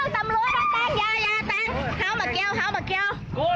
เข้ามาเกี่ยวเข้ามาเกี่ยว